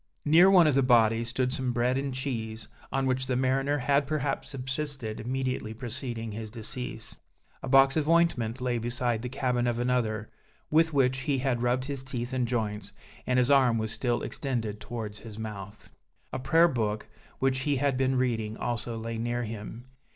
Near one of the bodies stood some bread and cheese, on which the mariner had perhaps subsisted immediately preceding his decease; a box of ointment lay beside the cabin of another, with which he had rubbed his teeth and joints, and his arm was still extended towards his mouth. A prayer book, which he had been reading, also lay near him.